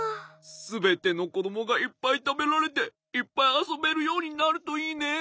すべてのこどもがいっぱいたべられていっぱいあそべるようになるといいね。